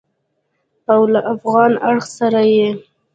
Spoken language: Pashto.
او له افغان اړخ سره یې